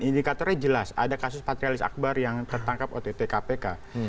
indikatornya jelas ada kasus patrialis akbar yang tertangkap ott kpk